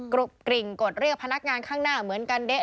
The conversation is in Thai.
กริ่งกดเรียกพนักงานข้างหน้าเหมือนกันเด๊ะ